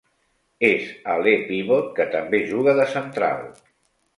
És aler-pivot que també juga de central.